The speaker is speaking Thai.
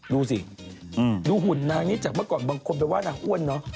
ดูสิดูหุ่นนางนี้จากเมื่อก่อนบางคนไปว่านางอ้วนเนอะ